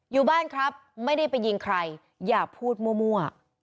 อยู่บ้านครับไม่ได้ไปยิงใครอย่าพูดมั่ว